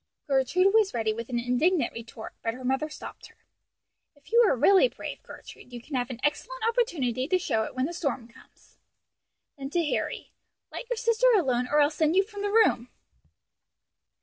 Gertrude was ready with an indignant retort, but her mother stopped her. "If you are really brave, Gertrude, you can have an excellent opportunity to show it when the storm comes." Then to Harry, "Let your sister alone, or I'll send you from the room."